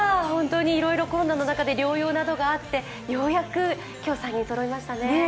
本当にいろいろコロナの中で療養などがあってようやく今日、３人そろいましたね。